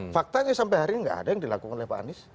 faktanya sampai hari ini nggak ada yang dilakukan oleh pak anies